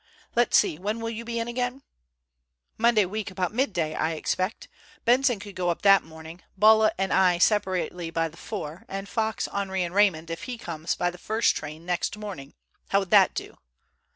Let's see, when will you be in again?" "Monday week about midday, I expect. Benson could go up that morning, Bulla and I separately by the 4, and Fox, Henri, and Raymond, if he comes, by the first train next morning. How would that do?"